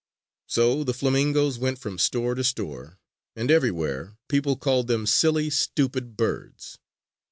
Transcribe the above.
So the flamingoes went from store to store, and everywhere people called them silly, stupid birds.